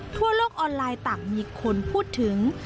ทั่วโลกออนไลน์ต่างมีคนพูดถึง